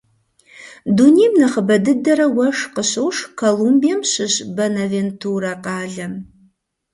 Дунейм нэхъыбэ дыдэрэ уэшх къыщошх Колумбием щыщ Бэнавентурэ къалэм.